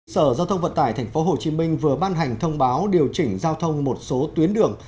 sở giao thông vận tải tp hcm vừa ban hành thông báo điều chỉnh giao thông một số tuyến đường